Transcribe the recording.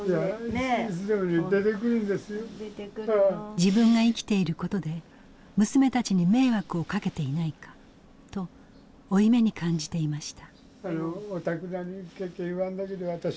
自分が生きていることで娘たちに迷惑をかけていないかと負い目に感じていました。